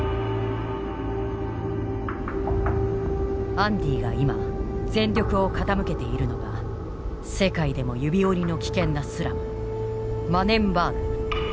アンディが今全力を傾けているのが世界でも指折りの危険なスラムマネンバーグ。